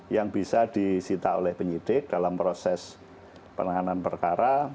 yang bisa disita oleh penyidik dalam proses penanganan perkara